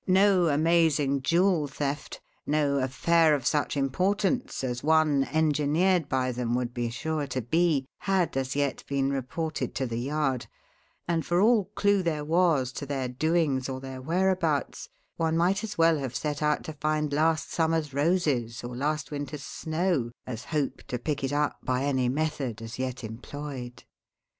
No amazing jewel theft, no affair of such importance as one engineered by them would be sure to be, had as yet been reported to the Yard; and for all clue there was to their doings or their whereabouts one might as well have set out to find last summer's roses or last winter's snow as hope to pick it up by any method as yet employed.